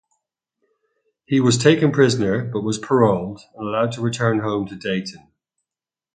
He was taken prisoner but was paroled and allowed to return home to Dayton.